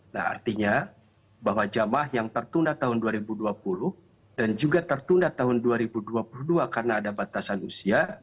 nah artinya bahwa jemaah yang tertunda tahun dua ribu dua puluh dan juga tertunda tahun dua ribu dua puluh dua karena ada batasan usia